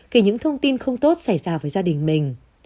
kể những thông tin không tốt xảy ra với gia đình mình